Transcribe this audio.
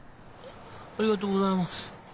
ありがとうございます。